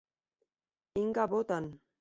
Inga, Bot., Ann.